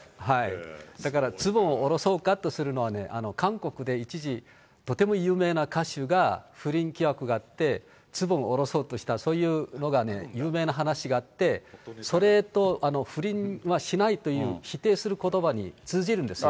だからズボン下ろそうかとするのはね、韓国で一時、とても有名な歌手が不倫疑惑があって、ズボン下ろそうとした、そういうのが、有名な話があって、それと不倫はしないという、否定することばに通じるんですよ。